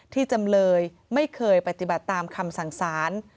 จำเลยไม่เคยปฏิบัติตามคำสั่งสาร